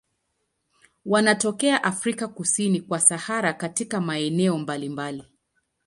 Wanatokea Afrika kusini kwa Sahara katika maeneo mbalimbali.